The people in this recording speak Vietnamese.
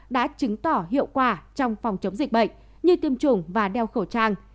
đã chứng tỏ hiệu quả trong phòng chống dịch bệnh như tiêm chủng và đeo khẩu trang